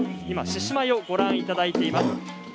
今獅子舞をご覧いただいています。